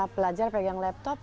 pelajar pegang laptop